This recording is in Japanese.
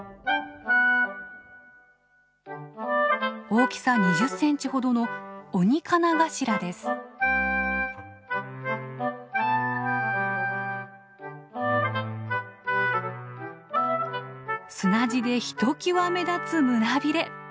大きさ２０センチほどの砂地でひときわ目立つ胸びれ。